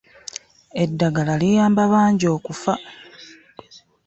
Eddagala liyamba bangi okuffa.